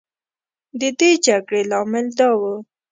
د دې جګړې لامل دا و.